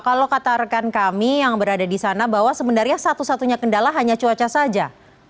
kalau kata rekan kami yang berada di sana bahwa sebenarnya satu satunya kendala hanya cuaca saja